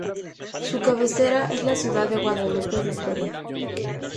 Su cabecera es la ciudad de Guadalupe Victoria.